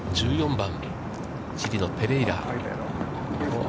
１４番、チリのペレイラ。